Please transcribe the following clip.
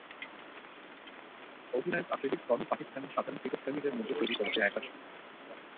অধিনায়ক আফ্রিদির ফর্মও পাকিস্তানের সাধারণ ক্রিকেটপ্রেমীদের মধ্যে তৈরি করেছে একরাশ ক্ষোভ।